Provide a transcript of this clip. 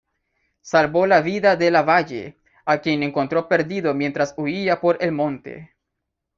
Salvó la vida de Lavalle, a quien encontró perdido mientras huía por el monte.